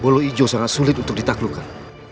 bolo ijo sangat sulit untuk ditaklukkan